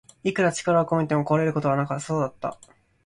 いくら力を込めても壊れることはなさそうだった